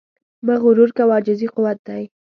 مه غرور کوه، عاجزي قوت دی.